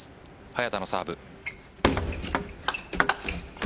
早田のサーブ。